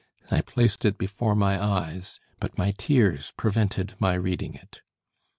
I placed it before my eyes; but my tears prevented my reading it.